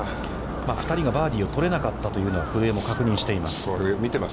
２人がバーディーを取れなかったというのは古江も確認しています。